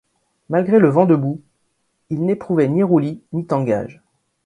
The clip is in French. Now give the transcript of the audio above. Malgré le vent debout, il n’éprouvait ni roulis ni tangage.